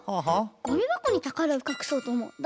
ごみばこにたからをかくそうとおもうんだ。